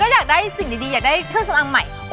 อยากได้สิ่งดีอยากได้เครื่องสำอางใหม่